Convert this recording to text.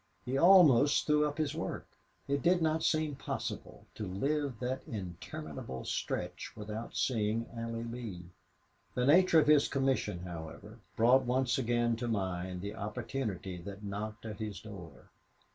He almost threw up his work. It did not seem possible to live that interminable stretch without seeing Allie Lee. The nature of his commission, however, brought once again to mind the opportunity that knocked at his door.